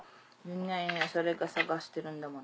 ないないそれが探してるんだもん